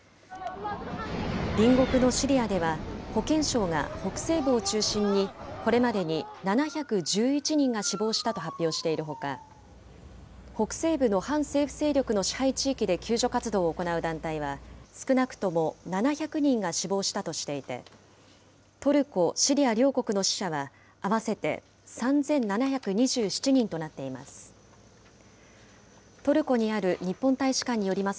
隣国のシリアでは、保健省が北西部を中心に、これまでに７１１人が死亡したと発表しているほか、北西部の反政府勢力の支配地域で救助活動を行う団体は、少なくとも７００人が死亡したとしていて、トルコ、シリア両国の死者は合わせて３７２７人となっています。